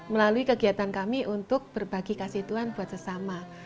melalui kegiatan kami untuk berbagi kasih tuhan buat sesama